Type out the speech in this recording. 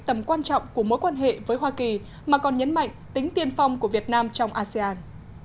tầm quan trọng của mối quan hệ với hoa kỳ mà còn nhấn mạnh tính tiên phong của việt nam trong asean